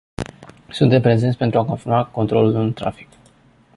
Suntem prezenți pentru a confirma controlul în trafic.